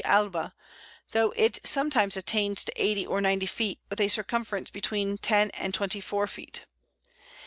alba_, though it sometimes attains to eighty or ninety feet, with a circumference between ten and twenty four feet.